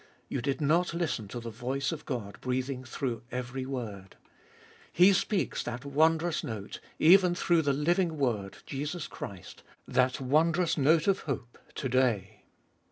You did not listen to the voice of God breathing through every word. He speaks that wondrous note, even through the living word, Jesus Christ, that wondrous note of 126 abe iboliest of BU hope, To day.